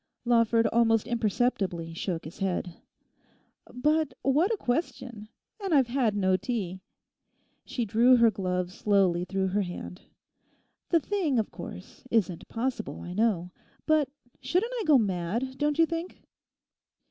Lawford almost imperceptibly shook his head. 'But what a question! And I've had no tea.' She drew her gloves slowly through her hand. 'The thing, of course, isn't possible, I know. But shouldn't I go mad, don't you think?